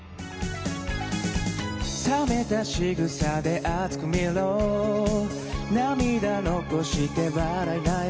「覚めたしぐさで熱く見ろ」「涙残して笑いなよ」